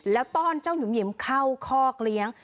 แล้วต้อนเจ้าหยุมเข้าคอกเลี้ยง